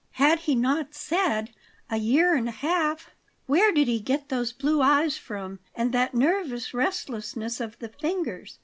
Had he not said: "A year and a half " Where did he get those blue eyes from, and that nervous restlessness of the fingers?